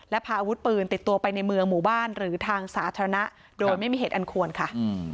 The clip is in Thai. และพาอาวุธปืนติดตัวไปในเมืองหมู่บ้านหรือทางสาธารณะโดยไม่มีเหตุอันควรค่ะ